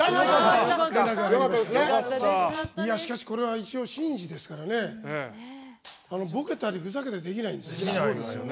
しかしこれは神事ですからねぼけたりふざけてできないんです。